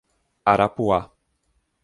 Arapuá